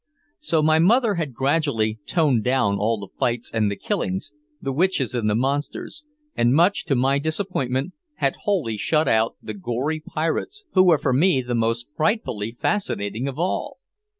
So my mother had gradually toned down all the fights and the killings, the witches and the monsters, and much to my disappointment had wholly shut out the gory pirates who were for me the most frightfully fascinating of all.